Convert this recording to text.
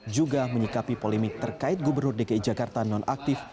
juga menyikapi polemik terkait gubernur dki jakarta non aktif